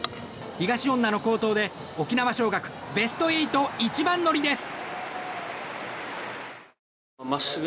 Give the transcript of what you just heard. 東恩納の好投で沖縄尚学ベスト８一番乗りです！